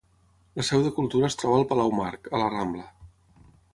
La seu de Cultura es troba al Palau Marc, a la Rambla.